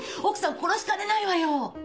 奥さん殺しかねないわよ。